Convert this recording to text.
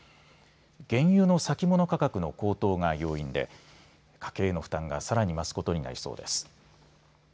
原油の先物価格の高騰が要因で家計への負担がさらに増すことになりそうです。